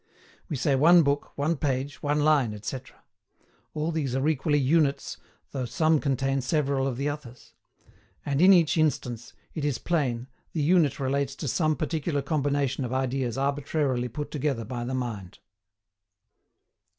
We say one book, one page, one line, etc.; all these are equally units, though some contain several of the others. And in each instance, it is plain, the unit relates to some particular combination of ideas arbitrarily put together by the mind.